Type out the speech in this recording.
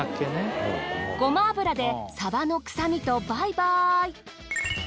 ごま油でサバの臭みとバイバーイ！